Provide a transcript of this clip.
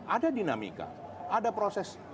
ada dinamika ada proses